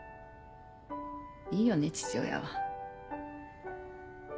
いいよね父親は。